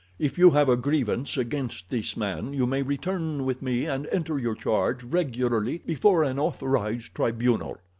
If you have a grievance against this man you may return with me and enter your charge regularly before an authorized tribunal."